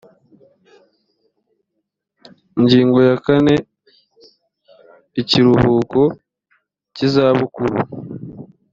ingingo ya kane ikiruhuko cy’izabukuru